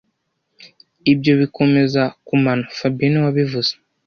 Ibyo bikomeza kumano fabien niwe wabivuze